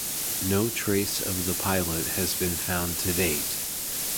No trace of the pilot has been found to date.